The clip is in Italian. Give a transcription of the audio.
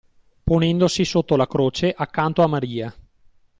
Ponendosi sotto la croce accanto a Maria